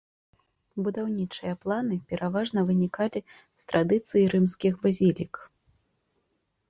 Будаўнічыя планы пераважна вынікалі з традыцыі рымскіх базілік.